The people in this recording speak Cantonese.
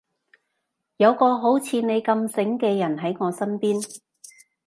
有個好似你咁醒嘅人喺我身邊